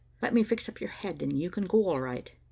Let me fix up your head and you can go all right."